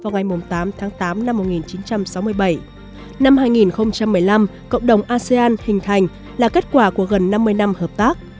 năm một nghìn chín trăm sáu mươi bảy năm hai nghìn một mươi năm cộng đồng asean hình thành là kết quả của gần năm mươi năm hợp tác